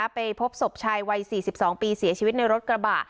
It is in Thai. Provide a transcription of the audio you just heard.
ไปพบศพชายวัย๔๒ปีเสียชีวิตในรถกระบะ